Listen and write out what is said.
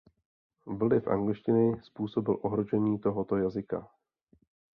Vliv angličtiny způsobil ohrožení tohoto jazyka.